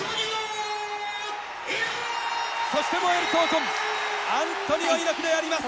そして燃える闘魂アントニオ猪木であります！